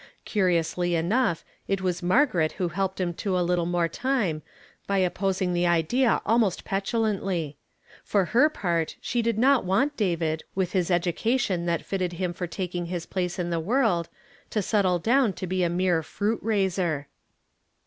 Curiously enough it was Margaret who helped him to a little more time by opposing the idea almost petulantly. For her part she did not want David, with his education that fitted him for taking his place in the world, to settle down to be a mere fruit raiser.